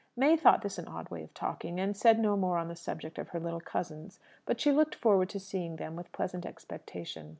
May thought this an odd way of talking, and said no more on the subject of her little cousins. But she looked forward to seeing them with pleasant expectation.